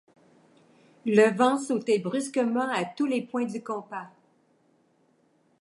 Le vent sautait brusquement à tous les points du compas.